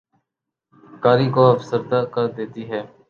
قاری کو افسردہ کر دیتی ہے